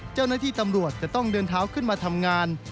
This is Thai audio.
เจ้าหน้าที่ตำรวจจะต้องเดินเท้าขึ้นมาทำงาน